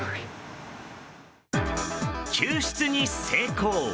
救出に成功。